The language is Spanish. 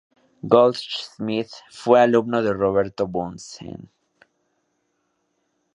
Goldschmidt fue alumno de Robert Bunsen.